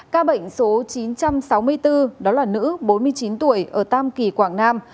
ca bệnh số chín trăm sáu mươi bốn đó là nữ bốn mươi chín tuổi ở tam kỳ quảng nam